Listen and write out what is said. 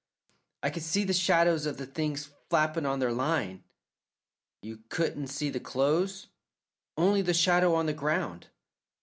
"I could see the shadows of the things flappin' on their line." "You couldn't see the clothes?" "Only the shadow on the ground."